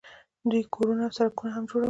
دوی کورونه او سړکونه هم جوړول.